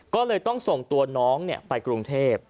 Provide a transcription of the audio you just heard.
ก็เลยต้องส่งตัวน้องไปกรุงเทพ